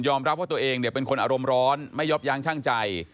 รับว่าตัวเองเป็นคนอารมณ์ร้อนไม่ยอบย้างช่างใจ